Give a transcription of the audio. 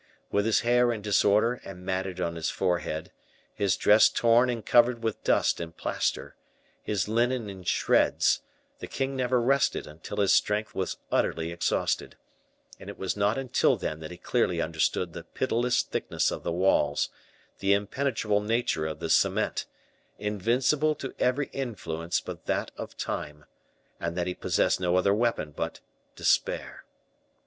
With his hair in disorder and matted on his forehead, his dress torn and covered with dust and plaster, his linen in shreds, the king never rested until his strength was utterly exhausted, and it was not until then that he clearly understood the pitiless thickness of the walls, the impenetrable nature of the cement, invincible to every influence but that of time, and that he possessed no other weapon but despair.